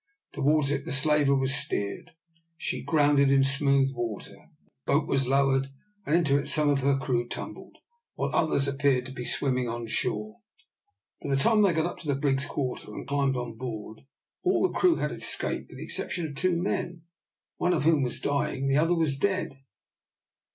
Towards it the slaver was steered. She grounded in smooth water. A boat was lowered, and into it some of her crew tumbled, while others appeared to be swimming on shore. By the time they got up to the brig's quarter and climbed on board, all the crew had escaped with the exception of two men, one of whom was dying, the other was dead.